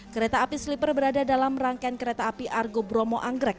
kereta api sleeper berada dalam rangkaian kereta api argo bromo anggrek